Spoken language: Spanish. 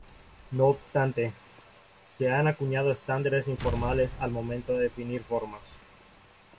No obstante, se han acuñado estándares informales al momento de definir formas.